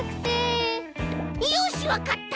よしわかった！